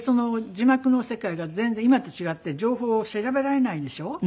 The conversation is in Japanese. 字幕の世界が全然今と違って情報を調べられないでしょ。